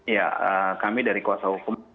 ya kami dari kuasa hukum memandang hal ini